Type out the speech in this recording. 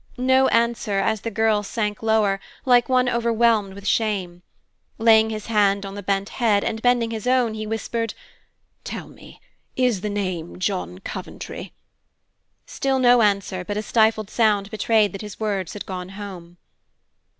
No answer, as the girl sank lower, like one overwhelmed with shame. Laying his hand on the bent head, and bending his own, he whispered, "Tell me, is the name John Coventry?" Still no answer, but a stifled sound betrayed that his words had gone home.